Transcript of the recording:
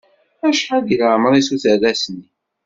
Acḥal deg leɛmer-is uterras-nni?